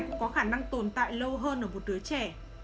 cũng có khả năng tồn tại lâu hơn ở một đứa trẻ